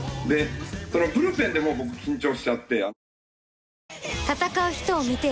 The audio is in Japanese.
そのブルペンでもう僕緊張しちゃって。